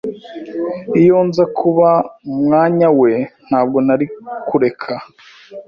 Iyo nza kuba mu mwanya we, ntabwo nari kureka.